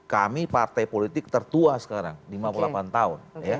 kami partai politik tertua sekarang lima puluh delapan tahun